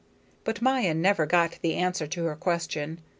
But Maya never got the answer to her question.